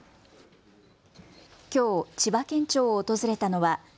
きょう、千葉県庁を訪れたのは